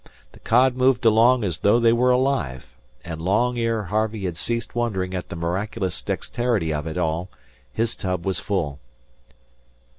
The cod moved along as though they were alive, and long ere Harvey had ceased wondering at the miraculous dexterity of it all, his tub was full.